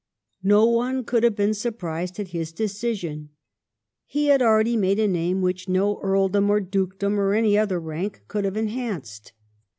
No one could have been surprised at his decision. He had already made a name which no earldom or dukedom or any other rank could have enhanced.